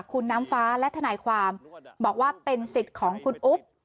คุณน้ำฟ้าและทนายความบอกว่าเป็นสิทธิ์ของคุณอุ๊บ